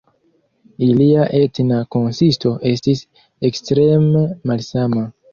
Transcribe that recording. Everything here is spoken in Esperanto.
Ilia etna konsisto estis ekstreme malsama.